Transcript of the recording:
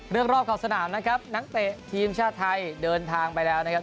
รอบขอบสนามนะครับนักเตะทีมชาติไทยเดินทางไปแล้วนะครับ